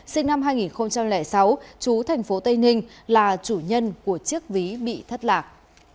sinh năm hai nghìn sáu chú tp tây ninh là chủ nhân của chiếc ví bị thất lạc